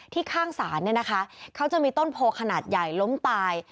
ข้างศาลเนี่ยนะคะเขาจะมีต้นโพขนาดใหญ่ล้มตาย